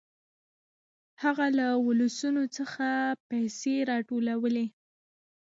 هغه له ولسونو څخه پيسې راټولولې.